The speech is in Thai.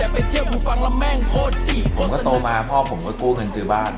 ผมก็โตมาพ่อผมก็กู้เงินซื้อบ้าน